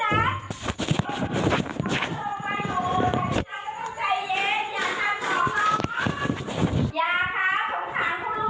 ก็ต้องใจเย็นอย่าทำของเขาอย่าครับสงสารเขาลูก